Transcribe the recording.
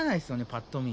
パッと見。